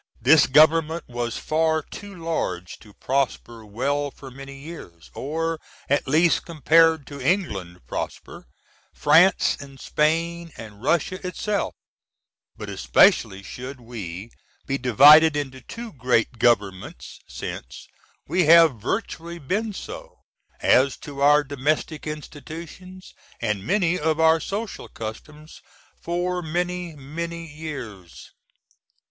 This Government was far too large to prosper well for many years; or at least comp^d to England (prosper), France and Spain, & Russia itself; but especially should we be divided into 2 great gov's since we have virtually been so, as to our domestic institutions, and many of our social customs, for many, many years.